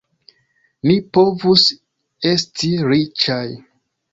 Ni povus esti riĉaj!